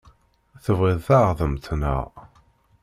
Tebɣiḍ taɣdemt, naɣ?